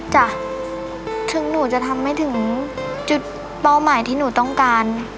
ถึงหนูจะทำให้ถึงจุดเป้าหมายที่หนูต้องการ